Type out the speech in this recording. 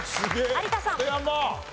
有田さん。